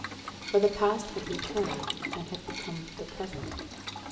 For the Past had returned and had become the Present.